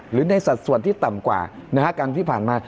หรือในสัดส่วนที่ต่ำกว่าการพิพันธ์มา